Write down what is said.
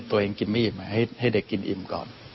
กินไม่อิ่มให้เด็กกินอิ่มก่อน